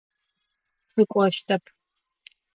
Сыкӏощтэп.